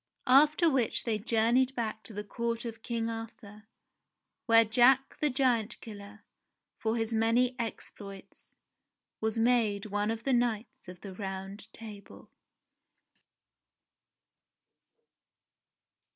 After which they journeyed back to the court of King ^ Arthur, where Jack the Giant Killer, for his many exploits, I was made one of the Knights of the Round Table.